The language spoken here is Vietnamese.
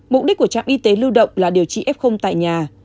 mục đích của trạm y tế lưu động là điều trị f tại nhà